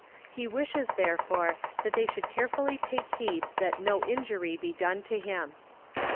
He wishes, therefore, that they should carefully take heed that no injury be done to him.